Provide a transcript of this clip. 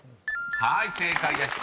［はい正解です］